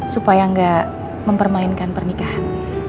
supaya nggak mempermainkan pernikahan